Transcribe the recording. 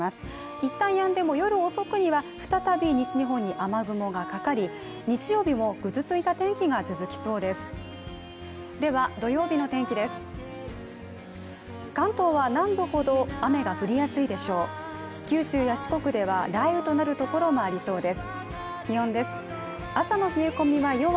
一旦やんでも夜遅くには再び西日本に雨雲がかかり日曜日もぐずついた天気が続きそうです。